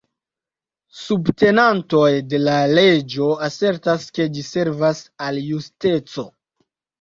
Subtenantoj de la leĝo asertas, ke ĝi servas al justeco.